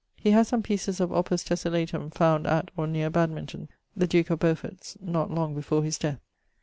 He haz some pieces of opus tessellatum found at or near Badmanton (the duke of Beauford's) not long before his death.